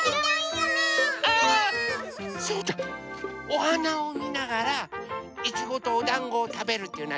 おはなをみながらいちごとおだんごをたべるっていうのはどう？